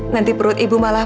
nanti perut ibu akan berubah